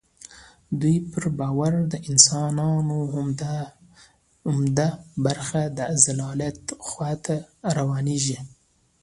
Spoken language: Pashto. دوی په باور د انسانانو عمده برخه د ضلالت خوا ته روانیږي.